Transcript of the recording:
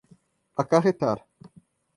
acarretar